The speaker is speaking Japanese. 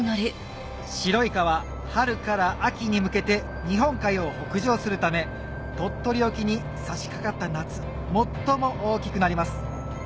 白イカは春から秋に向けて日本海を北上するため鳥取沖に差しかかった夏最も大きくなります